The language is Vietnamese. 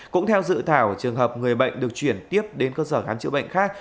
cũng theo dự thảo trường hợp người bệnh được chuyển tiếp đến cơ sở khám chữa bệnh khác